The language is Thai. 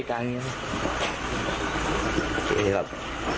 ไม่มีเหตุการณ์